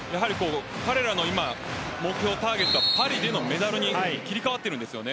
彼らの今、目標、ターゲットはパリでのメダルに切り替わっているんです。